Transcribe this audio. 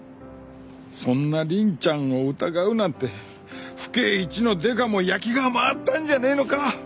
そんな凛ちゃんを疑うなんて府警一のデカも焼きが回ったんじゃねえのか？